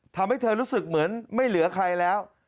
ทำให้เธอรู้สึกเหมือนไม่เหลือใครแล้ว